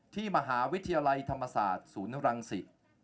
ที่มหาวิทยาลัยธรรมศาสตร์ศูนย์รังศิษย์